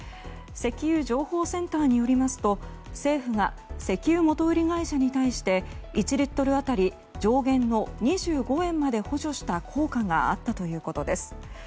石油情報センターによりますと政府が石油元売り会社に対して１リットル当たり上限の２５円まで補助した効果があったということです。